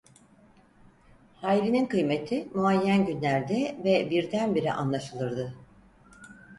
Hayri'nin kıymeti muayyen günlerde ve birdenbire anlaşılırdı.